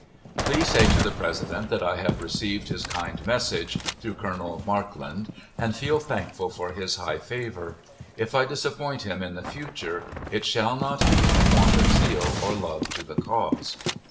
Please say to the President that I have received his kind message (through Colonel Markland), and feel thankful for his high favor. If I disappoint him in the future, it shall not be from want of zeal or love to the cause.